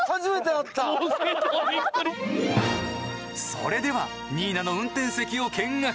それではニーナの運転席を見学。